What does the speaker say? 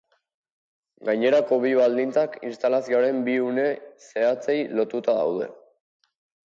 Gainerako bi baldintzak instalazioaren bi une zehatzei lotuta daude.